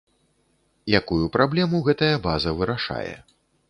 Якую праблему гэтая база вырашае.